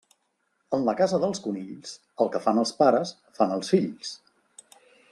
En la casa dels conills, el que fan els pares fan els fills.